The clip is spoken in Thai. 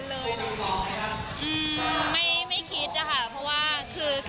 เราเป็นนักแสดงค่ะ